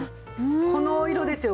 このお色ですよ。